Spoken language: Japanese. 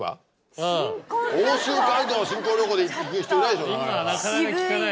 奥州街道新婚旅行で行く人いないでしょ？